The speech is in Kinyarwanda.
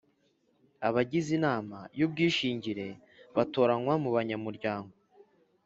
Abagize inama y’ubwishingire batoranywa mu banyamuryango